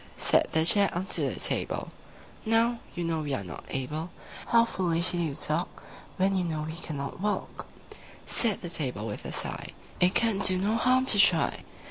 II Said the Chair unto the Table, "Now, you know we are not able: How foolishly you talk, When you know we cannot walk!" Said the Table with a sigh, "It can do no harm to try.